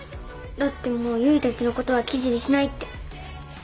だってもう唯たちのことは記事にしないって。